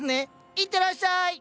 いってらっしゃい！